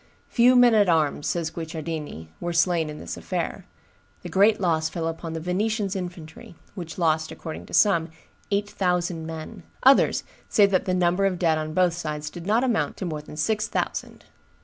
"Few men at arms," says Guicciardini, "were slain in this affair; the great loss fell upon the Venetians' infantry, which lost, according to some, eight thousand men; others say that the number of dead on both sides did not amount to more than six thousand."